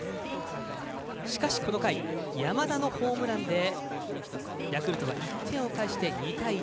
しかしこの回山田のホームランでヤクルトが１点を返して２対１。